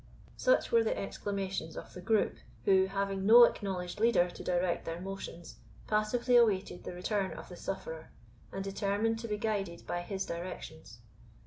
Such were the exclamations of the group, who, having no acknowledged leader to direct their motions, passively awaited the return of the sufferer, and determined to be guided by his directions.